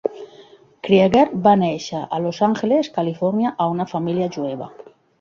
Krieger va néixer a Los Angeles, Califòrnia, a una família jueva.